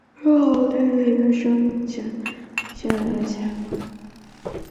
深学与浅学不一样、学为所用与学为‘装饰’不一样、自觉学用与被动学用不一样